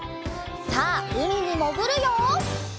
さあうみにもぐるよ！